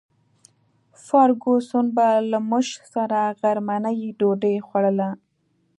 فرګوسن به له موږ سره غرمنۍ ډوډۍ خوړله.